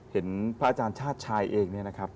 เห็นพระอาจารย์ชาติชายเองเนี่ยนะครับ